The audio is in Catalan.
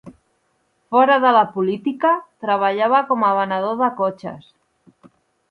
Fora de la política, treballava com a venedor de cotxes.